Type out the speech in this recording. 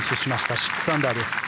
６アンダーです。